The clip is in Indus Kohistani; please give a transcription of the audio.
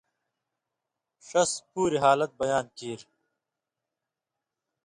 ݜس پوریۡ حالت بیان کیریۡ۔